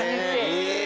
え！